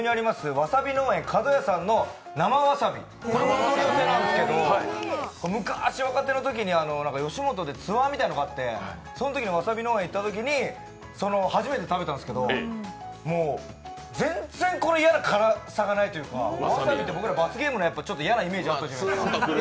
わさび園かどやさんの生わさび、これもお取り寄せなんですけど、昔、若手のときに吉本でツアーみたいなのがあって、そんときにわさび農園に行ったときに初めて食べたんですけどもう全然嫌な辛さがないというかわさびって僕ら罰ゲームの嫌なイメージがあったじゃないですか。